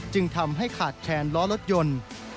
จึงทำให้ขาดแคลนล้อรถยนต์